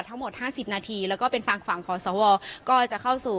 ทั้งหมด๕๐นาทีแล้วก็เป็นทางฝั่งของสวก็จะเข้าสู่